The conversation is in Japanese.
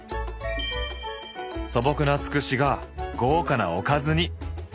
素朴なつくしが豪華なおかずに。